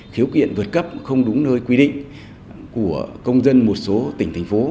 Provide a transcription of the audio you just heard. khiếu kiện vượt cấp không đúng nơi quy định của công dân một số tỉnh thành phố